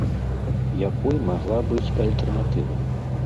Якой магла быць альтэрнатыва?